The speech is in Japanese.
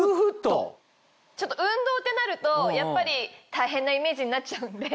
運動ってなるとやっぱり大変なイメージになっちゃうんで。